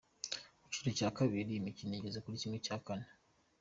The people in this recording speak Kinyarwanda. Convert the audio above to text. Mu cyiciro cya kabiri, imikino igeze muri kimwe cya kane